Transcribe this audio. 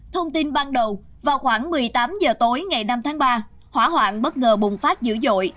thông tin ban đầu vào khoảng một mươi tám h tối ngày năm tháng ba hỏa hoạn bất ngờ bùng phát dữ dội